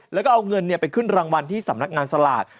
แล้วก็เอาเงินไปขึ้นรางวัลที่สำนักงานสลาก